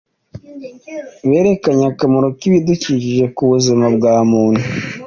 berekanye akamaro k’ibidukikije ku buzima bwa muntu